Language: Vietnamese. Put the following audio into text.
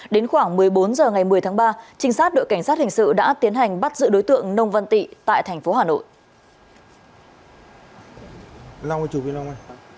đến khoảng một mươi bốn giờ ngày một mươi tháng ba trinh sát đội cảnh sát hình sự đã tiến hành bắt giữ đối tượng nông văn tị tại tp hcm